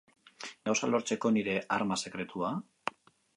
Gauzak lortzeko nire arma sekretua?